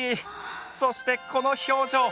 そしてこの表情。